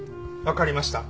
わかりました。